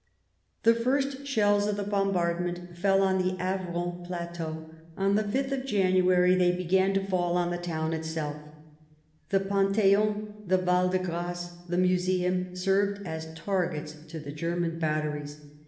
" The first shells of the bombardment fell on the Avron plateau ; on the 5th of January they began to fall on the town itself ; the Pantheon, the Val de Grace, the Museum, served as targets to the German batteries.